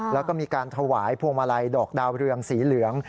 แล้วก็มีการถวายพวงมาลัยดอกดาวเรืองสีเหลือง